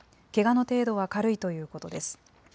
けがの程度は軽いということです。